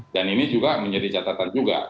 dan ini juga menjadi catatan juga